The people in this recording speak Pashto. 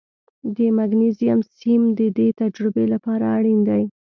د مګنیزیم سیم د دې تجربې لپاره اړین دی.